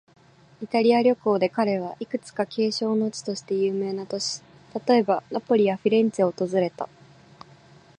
イタリア旅行で彼は、いくつか景勝の地として有名な都市、例えば、ナポリやフィレンツェを訪れた。